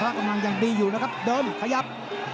กำลังยังดีอยู่นะครับเดินขยับ